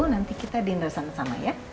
nanti kita dinda sama sama ya